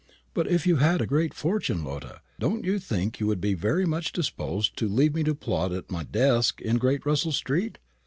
"But if you had a great fortune, Lotta, don't you think you would be very much disposed to leave me to plod on at my desk in Great Russell street?